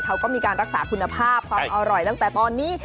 เขาก็มีการรักษาคุณภาพความอร่อยตั้งแต่ตอนนี้